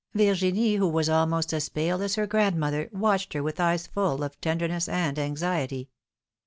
Vir ginie, who was almost as pale as her godmother, watched her with eyes full of tenderness and anxiety.